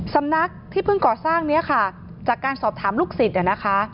สำนักที่เพิ่งก่อสร้างเนี้ยค่ะจากการสอบถามลูกศิษย์นะคะ